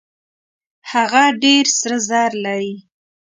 هغه ډېر سره زر لري.